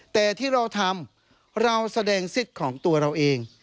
แต่ที่เราทำเราแสดงสิทธิ์ของตัวเราเอง